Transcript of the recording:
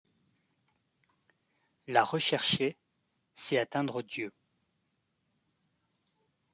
La rechercher, c'est atteindre Dieu.